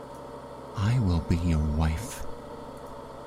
I will be your wife.